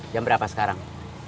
jam berapa sekarang